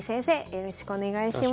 よろしくお願いします。